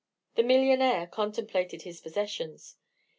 The millionaire contemplated his possessions.